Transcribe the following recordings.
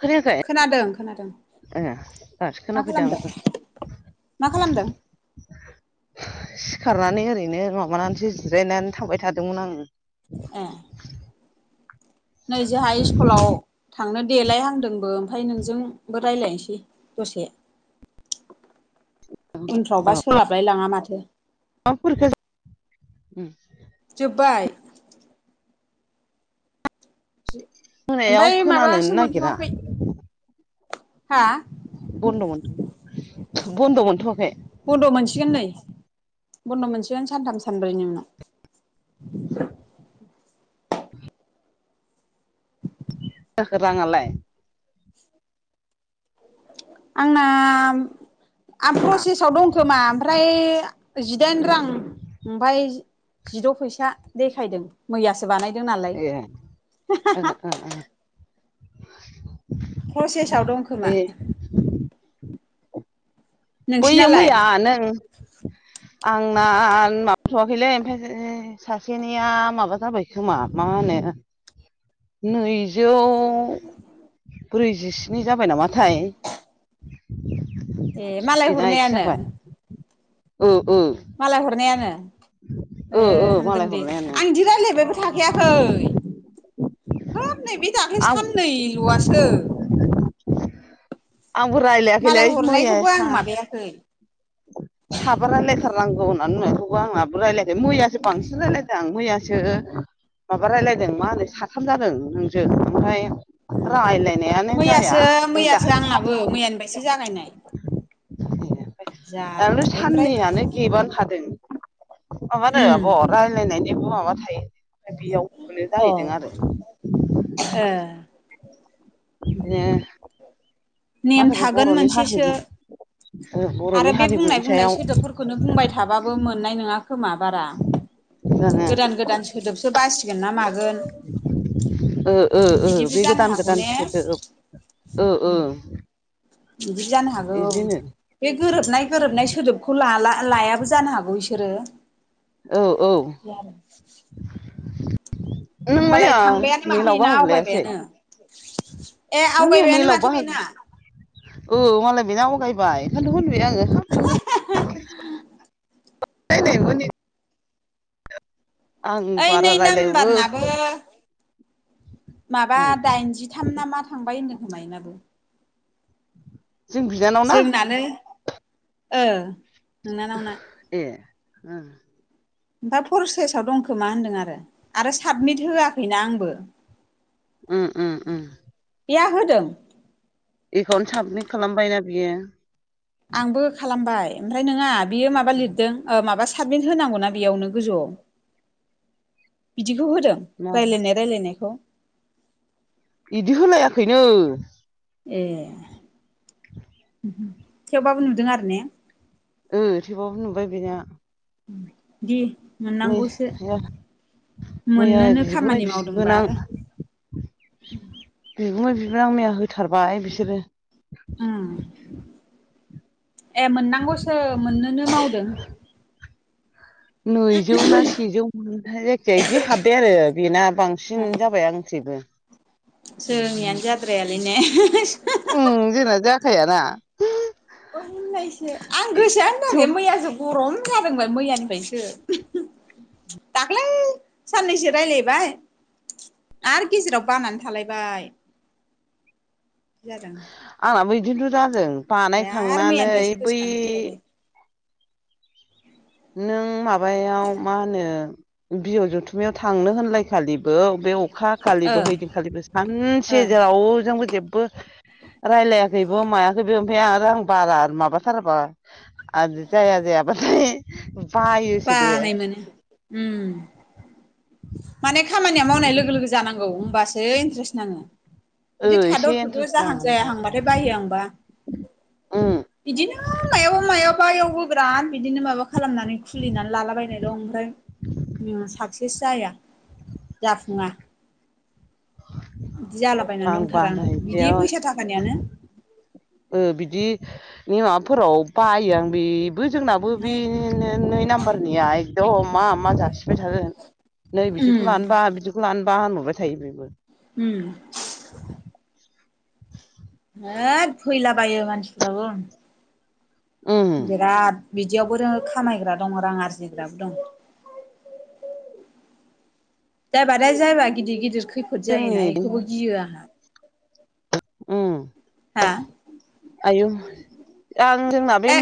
खोनायाखै खोनादों खोनादों ए दासो मा खोनाफैदों खालामदों। आंबो मा खालामदों। सिखारनानै ओरैनो माबानानैसो जिरायनानै थाबाय थादोंमोन आङो। ए नै जोंहा स्कुलाव थांनो। देलायहांदोंबो ओमफ्राय नोंजोंबो रायज्लायनोसै दसे। उनफ्रावबा सोलाबलाय लांङा माथो। मा फोर जोबबाय। मोनायाव ओमफ्राय माबासो खोनानोनो नागिरा। मोनथ'वाखै हा बन्द' मोन बन्द' मोनथ'वाखै बन्द मोनसिगोन नै। बन्द' मोनसेयावनो सानथाम सानब्रैनि उनाव जाखो राङालाय। आंना आं प्रसेसाव दंखोमा ओमफ्राय जिदाइन रां ओमफ्राय जिद' फैसा देखायदों मैया। बानायदों नालाय। ए ओहो ओहो [inaudible] प्रसेसआव दंखोमा दे बैयो नोंसिनालाय मैया नों आंना माबाथवाखैलै ओमफ्राय सासेनिया माबा जाबाय खोमा माबा मा होनो नैजौ ब्रैजिस्नि जाबाय नामाथाय। ए मालाय बेना इदि हरनायानो जाबाय ओ ओ मालाय हरनायानो ओ ए ओ हामदों मालाय दे हरनायानो आंदि रायलायबायबो थाखायाखै खोब नै बे दाख्लै आं साननै लआसो आंबो मालाय रायलायाखैलै हरनायखौबो आं माबायाखै ग [inaudible] साबा रायलायथारनांगौ होननानै खौबो आंहाबो रायलायाखै मैयासो बांसिन रायलायदों आं मैयासो माबा रायलायदों मा होनो साथाम जादों नोंजों ओमफाय उम रायलायनायानो जाया मैयासो ओमफ्राय दा मैयासो आंनाबो मैयानिफ्रायसो जागायनाय जारलालै ओमफ्राय साननैयानो गेबानो थादों माबानो आब उम रायलायनायनिबो माबा थायो ओमफ्राय बेयाव मोनो जाहैदों आरो एह बिदिनो नेम माखासे थागोन बर'नि मोनसेसो हारिमु ओ आरो बर'नि बे बुंनाय हारिमुनि बुंनाय सायाव सोदोबफोरखौनो बुंबाय थाबाबो मोननाय नङा। खोमा बारा जोङो गोदान गोदान सोदोबसो बासिगोन ना मागोन ओ ओ ओ बिदिबो बे जानो गोदान हागौ गोदान ने सोदोब ओ ओ बिदि जानो हागौ बिदिनो बे गोरोबनाय गोरोबनाय सोदोबखौ लाला लायाबो जानो हागौ बिसोरो औ जार नों मैया माथो मेलाव बेना बाहागो लायासै आवगायबायानो ए नों मैया आवगायबायानो मेलाव माथो बेना बाहागो औ मालाय बेना आवगायबाय ओंखायथ' होनबाय आङो हाब माला दाख्लैसो नायनाय फोरनि ओइ नै बारा रायलायनोबो नाम्बारनाबो माबा ओ दाइनजिथाम ना मा थांबाय होनदों खोमा एनाबो जों बिनानाव ना? जोंनानो ओ नोंनानावना। ओ ओमफाय प्रसेसाव दंखोमा होन्दों आरो आरो साबमिट होआखैना आंबो। उम उम उम। बेया होदों? बेयो आंबो खालामबाय ओमफ्राय नङा बियो माबा लिरदों ओ माबासो साबमिट होनांगौना‌ बेयावनो गोजौआव बिदि बेखौ होदों मा रायलायनाय रायलायनायखौ बिदि होलायाखैनो। ए [unintelligible] थेवबाबो नुदों आरो ने? ओ थेवबाबो नुबाय बेना। दे मै या मैया मोननोनो बिगुमै खामानि मावदोंबा बिबोनां आरो बेगुमै बि रा मैया होथारबाय बिसोरो उम ए मोननांगौसो मोननोनो मावदों नैजौ ना सेजौ मोनहाय जायखिया इदि हाबबाय आरो बेना बांसिन जाबाय आंख्रिबो [unintelligible] जोंनियानो जाद्राया उम जोंना जाखायाना अयननायसो आं गोसोआ थेव होनाखै मैयाजो गर'म खादोंबाल मैयानिफ्रायसो। दाख्लै साननैसो रायज्लायबाय आरो गेजेराव बानानै थालायबाय जादों। आंनाबो बिदिनोथ' जादों ओमफ्राय आरो बानायखांनानै मैयानिफ्रायसो बै गोसोखांफिनलायबाय नों माबायाव मा होनो बिजै जथुमायाव थांनो होनलाय खालि औ बे अखा ओ खालिबो हैदिखालिबो ओ सानसे जाव'जोंबो जेबो रायलायाखैबो मायाखैबो फै आरो आं बारा माबाथारोबा आरो जाया जायाबाथाय बायोसो दे बानाय मानो ओम। माने खामानिया मावनाय लोगो लोगो जानांगौ होमबासो इन्ट्रेस्ट नाङो। ओ बिदि थाद' एसे थुद' इन्टारेस्ट जाहां नाङो जायााहांबाथाय बाहयो आंबा। उम बिदिनो मायाबा मायावाबाबो बेराद बिदिनो माबा खालामनानै खुलिनानै लालाबायनाय दं ओमफ्राय ओम साक्सेस जाया। जाफुङा। बिदि जालाबायनानै आं दंथारो आंनाबो बानायदिया बिदि फैसा थाखानियानो। ओ बिदि नि माबाफोराव बायो आं बे जोंनाबो बे ओमफ्राय नो नै नाम्बारनिया एकदम मा मा जासििबाय थागोन नै उम बिदिखौ लानोबा बिदिखौ लानोबा होनहरबाय थायो बेबो। उम होद फैलाबायो मानसिफ्राबो उम बिराद बिदियावबोरो खामायग्रा दं रां आरजिग्राबो दं। जायबादाया जायबा गिदिर गिदिर खैफोद जोंनि जायोना ऐखौबो गियो आंहा। उम हा? आयौ आं जोंना बे ए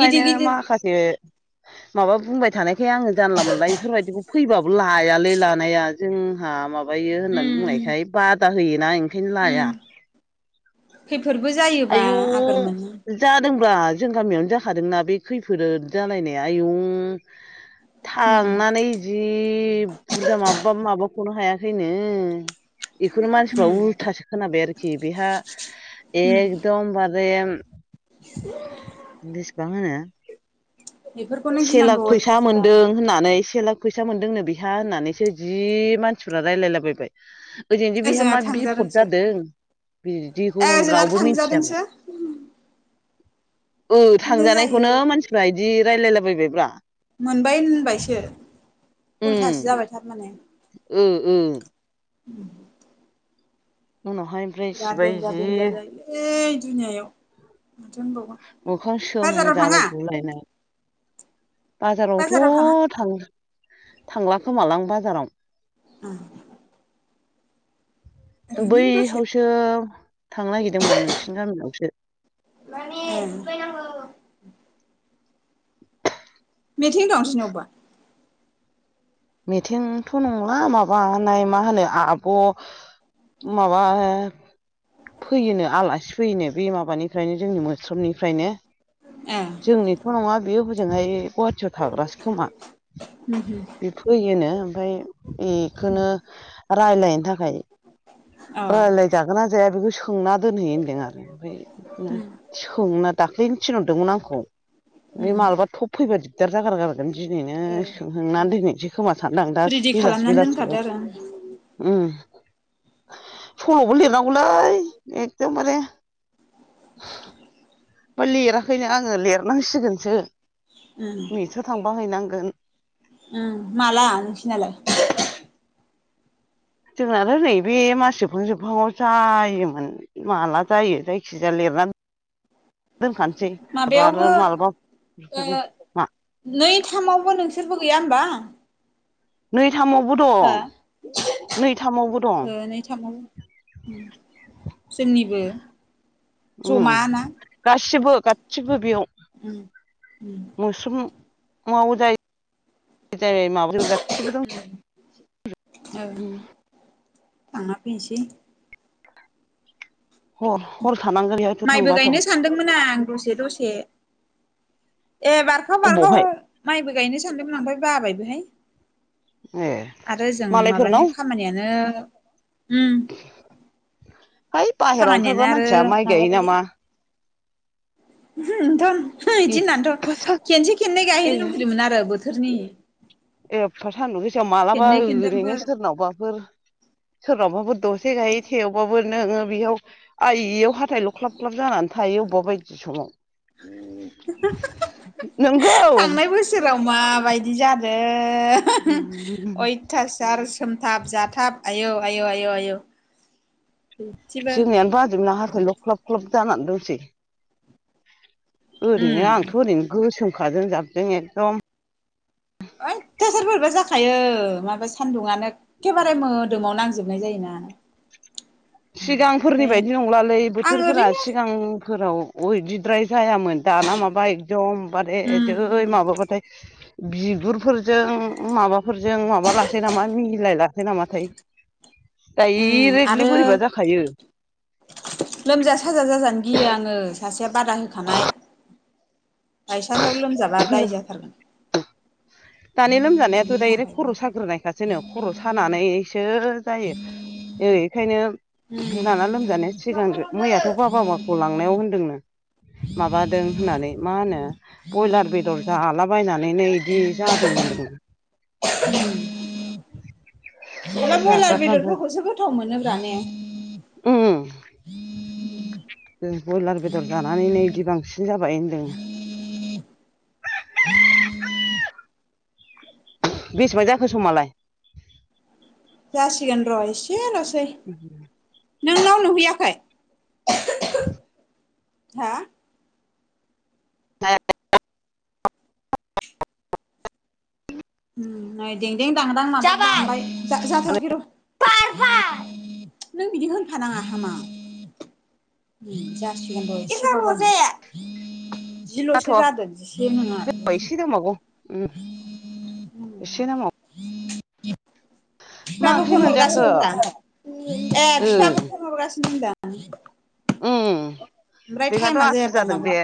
गिदिर गिदिर माखासे माबा बुंबाय थानायखाय आङो जानला मोनला ऐफोरबायदिखौ फैबाबो लायालै लानाया जोंहा मा माबायो होननानै उम बुंनायखाय उम बादा होयोना ओंखायनो लाया। उम खैफोदबो जायोबा आयु आगोर मोनो जादों। बा जों गामियावनो जाखादोंना बे खैफोद जालायनाया आयु। उम थांनानै जि बुरजा माबबा माबाखौनो हाया खैनो। ऐखौनो मानसिफ्रा उम उल्थासो खोनाबाय आरोखि बेहा उम एक होमबाजेन बेसेबां होनो। बेफोरखौनो से लाख गिनांगौ फैसा मोनदों अयथासार होननानै से लाख फैसा मोनदोंनो बिहा होननानैसो जि मानसिफ्रा रायलायलाबायबाय। ओजोंदि बेहा ओजोंहा मा बिफद थांजादोंसो जादों ए बिदिखौउन ओजों रावबो मि [unintelligible] ओ बिदिनो थांजानायखौनो जायो मानसिफ्रा इदि रायलायलाबायबाय ब्रा। मोनबाय होनबायसो उल्थासो उम जाबाय थारमाने। ओ ओ। उम। उनावहाय ओमफ्राय सिबाय जि देनजार जायो ओइ दुनियायाव माथो होनबावगोन मोखां सोम बाजाराव थाङा जालाय बुलायनाय। बाजाराव थाङा बाजारावथ' थां थांला खोमालां बाजाराव। ओम। दसे बैहासो थांनो नागिरदोंमोन आं नोंसिनि गामियावसो। [unintelligible] मिथिं दं सिनावबा? मिथिंथ' नंला माबानाय मा होनो आब' माबा फैयोनो आलासि फैयोनो बे माबानिफ्रायनो जोंनि मोस्रोमनिफ्रायनो। ए जोंनिथ' नङा बेयो हजोंहाय गुवाहाटियाव थाग्रासो खोमा उम उम बे फैयोनो ओमफ्राय इखौनो रायलायनो थाखाय औ रायलायजागोन ना जाया बेखौ सोंना दोनहै होनदों आरो ओमफ्राय उम सोंना दाख्लैनो थिनहरदोंमोन आंखौ। उम माबलाबा थब फैबा दिग जागारगारदों दिनैनो ए सोंहोनानै दोनहैसै खोमा सानदां दा रेडि बेलासे खालामनानै दोनखादो आरो बेलासियाव। उम। सलबो लिरनांगौलै एखदमारे। [unintelligible] बा लिराखैनो आङो लिरनांसिगोनसो। ओं मेथ्सआव थांबा हैनांगोन ओं माला नोंसिनालाय? जोंनाथ' नै बेे मास जोबहां जोबहांआव जायोमोन माला जायो जायखि जाया लेद रान। [inaudible] दोनखानोसै माबा माबायावबो आरो माबलाबा ओ नै थामावबो नोंसोरबो गैया होमबा? नै थामावबो हा दं नै थामावबो दं ओ नै थामाव। जोंनिबो उम जमा ना गासिबो गासिबो बेयाव। उम। उम मोस्रोम माव जाय जाय माबा गासिबो दं औ थांना फैनसै। हर हर थानांगोन बेहायथ' माइबो थांबाथ' गायनो सानदोंमोन आं दसे दसे। ए बारगाव बारगाव अबावहाय माइबो गायनो सानदोंमोन ओमफाय बाबायबोहाय। ए आरो जों माबानि मालायफोरनाव खामानियानो उम हैइ बाहेरायाव खामानियानो ओंखारग्रा आरो मानसिया माइ गायो नामा। थ' बिदि होननानैथ' एफा सा खेनसे खेननै ए गायहैनो लुगैदोंमोन आरो बोथोरनि। एफा सान्दुं गोसायाव मालाबा खेननै ओरैनो खेनथामफोर सोरनावबाफोर सोरनावबाफोर दसे गायो थेवबाबो नोङो बेयाव आइयाव हाथथाय ल' ख्लाब ख्लाब जानानै थायो अबेबा बायदि समाव नंगौ थांनाय बोसोराव माबायदि जादों अयथासार सोमथाब जाथाब आयौ आय' आयौ आयौ। बिदिबो जोंनियानो बाजोबनो हाखैल' ख्लाब ख्लाब जानानै दंसै। उम ओरैनो आंथ' ओरैनो गोसोमखाजों जाबदों एखदम अयथासार बोरैबा जाखायो माबा सान्दुंङनो एखेबारे मोदोमाव नांजोब जोबनाय जायोना। सिगांफोरनि ओमफ्राय बायदि नंलालै आं बोथोरफोरा ओरैनो सिगांफोराव उइदिद्राय जायामोन दाना माबा एकदमबारे जै उम माबाबाथाय बिगुरफोरजों माबाफोरजों माबा लासै नामा मिलाय लासै नामाथाय? [unintelligible] उम दायरेगलि आरो बोरैबा ए सासे बादा होखानाय। बाइसान्साव लोमजाबा दाय जाथारगोन। दानि लोमजानायाथ' नि दडायरेक्ट खर' साग्रोनायखासो नो खर' सानानैसो जायो ओ बेखायनो थाखायबो दाना लोमजानाया सिगांग मैयाथ' अनला बाबामोनखौ लांनायाव होनदोंनो माबादों होननानै मा होनो बयलार बेदर जा जालाबायनानै बिनो बिदि जादों होनदों। मा बयलार जाग्राफ्रा बेदरफोरखौसो गोथाव मोनोब्रा ने? जों बयलार बेदर जानानैनो इदि बांसिन जाबाय होनदों। बेसेबां जाखो समालाय? जासिगान र' एसे [unintelligible] नोंनाव नुहैयाखै? [unintelligible] हा? [unintelligible] [unintelligible] जाथ'आखै जाथ'वाखै र' [unintelligible] नों बिदि होनफानाङा हामा। उम जासिगोन र' [unintelligible] जिल'सो जादों जिसे नङा। एसे दंबावगौ उम एसे नामाव [unintelligible] मा बिफाखौ ओंख्रि फन मोनजाखो हरगासिनो होनना ए ओ बिफाखौ फन हरगासिनो होदां। [unintelligible] बेखायथ' आसथुर जादों बे।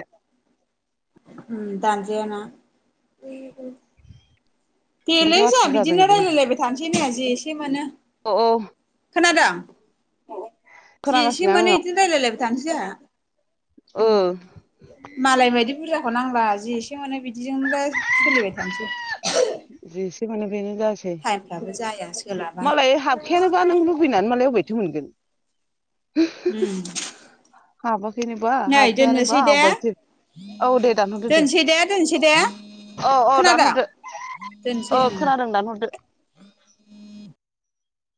उ दान जया ना। बेनोथ' देलै जाोंहा आथुर जादों बिदिनो रायलायलायबाय थानोसै जोंहा जे एसे मोनो। अ अ खोनादों जि एसे खोनागासिनो मोनो आंनाव बिदिनो रायज्लायलायबाय थांसै जोंहा। ओ मालाय बायदि बुरजाखौ नांला। जि एसे मोनो बिदिजोंब्ला सोलिबाय थानोसै। जि एसे मोनो बेनो जासै टाइमफ्राबो जाया सोलाबा मालाय हाबखायानोबा नों लुबैनानैलाय मालाय अबे मोनगोन। उम। हाबाखैनोबा नै हाबखायानो दोननोसै बा दे दोनसै दे दोनसै दे। औ औ खोनादों दानहरदो दोनसै औ ओं खोनादों दानहरदो।